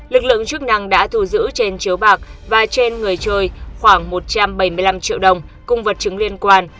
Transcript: lực lượng chức năng đã thu giữ trên chiếu bạc và trên người chơi khoảng một trăm bảy mươi năm triệu đồng cùng vật chứng liên quan